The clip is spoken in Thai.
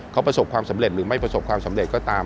เขาประสบความสำเร็จหรือไม่ประสบความสำเร็จก็ตาม